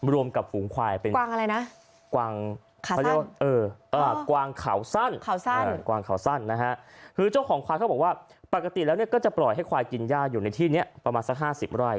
รวมกับฝูงควายเป็นกวางขาสั้นคือเจ้าของควายเขาบอกว่าปกติแล้วก็จะปล่อยให้ควายกินย่าอยู่ในที่นี้ประมาณสัก๕๐ร่อย